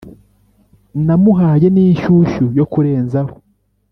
Namuhaye n’inshyushyu yo kurenzaho